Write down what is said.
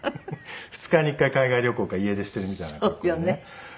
２日に１回海外旅行か家出しているみたいな格好でね。